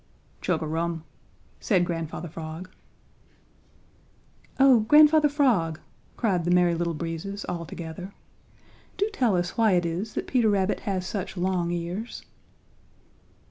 "Chug a rum," said Grandfather Frog. "Oh, Grandfather Frog," cried the Merry Little Breezes all together, "do tell us why it is that Peter Rabbit has such long ears."